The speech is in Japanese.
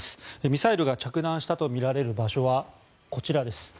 ミサイルが着弾したとみられる場所はこちらです。